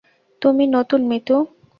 তুমি নতুন মিতু।